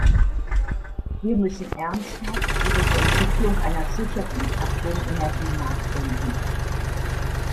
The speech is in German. Wir müssen ernsthaft über die Entwicklung einer sicheren Atomenergie nachdenken.